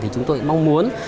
thì chúng tôi mong muốn